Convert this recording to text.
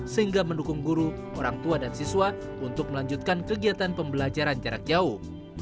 sehingga mendukung guru orang tua dan siswa untuk melanjutkan kegiatan pembelajaran jarak jauh